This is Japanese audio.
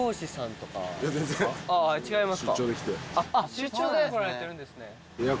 出張で来られてるんですね。